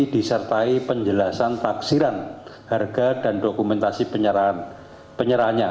disertai penjelasan taksiran harga dan dokumentasi penyerahannya